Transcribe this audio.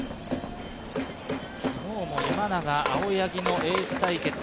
昨日も今永、青柳のエース対決。